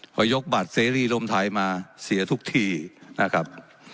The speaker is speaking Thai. พอยกบัตรเสรีรวมไทยมาเสียทุกทีนะครับ